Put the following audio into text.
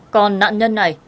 còn nạn nhân này